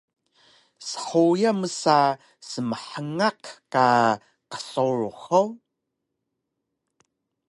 Shuya msa smhngak ka qsurux hug?